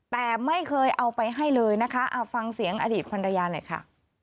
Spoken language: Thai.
แต่ไม่เคยเอาไปให้เลยนะคะเอาฟังเสียงอดีตภรรยาหน่อยค่ะ